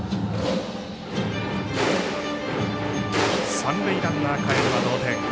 三塁ランナーかえれば同点。